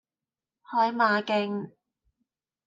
海馬徑